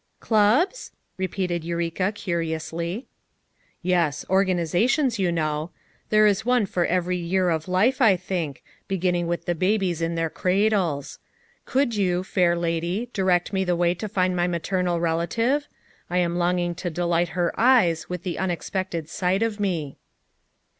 "Clubs?" repeated Eureka curiously. "Yes, organizations, you know; there is one for every year of life I think, beginning with the babies in their cradles. Could you, fair 74 FOUE MOTHERS AT CHAUTAUQUA lady, direct me the way to find my maternal relative? I am longing to delight her eyes with the unexpected sight of me."